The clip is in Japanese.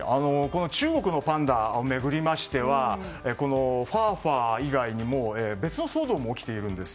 中国のパンダを巡りましてはファーファー以外にも別の騒動も起きているんです。